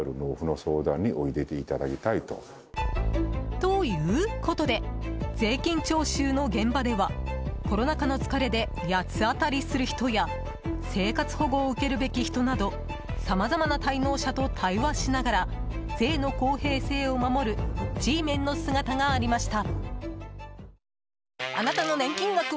ということで税金徴収の現場ではコロナ禍の疲れで八つ当たりする人や生活保護を受けるべき人などさまざまな滞納者と対話しながら税の公平性を守るＧメンの姿がありました。